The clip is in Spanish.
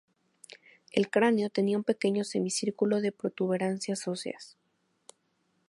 El cráneo tenía un pequeño semicírculo de protuberancias óseas.